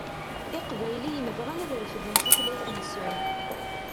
Iqbayliyen bɣan ad refden tutlayt-nsen.